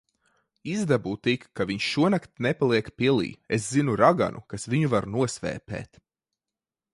Izdabū tik, ka viņš šonakt nepaliek pilī. Es zinu raganu, kas viņu var nosvēpēt.